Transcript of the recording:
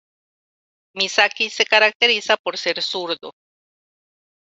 Misaki se caracteriza por ser zurdo.